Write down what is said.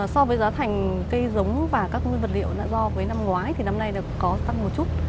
so với giá thành cây giống và các nguyên vật liệu do với năm ngoái thì năm nay có tăng một chút